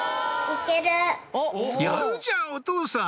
やるじゃんお父さん！